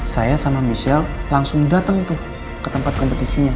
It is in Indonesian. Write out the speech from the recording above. saya sama michelle langsung datang tuh ke tempat kompetisinya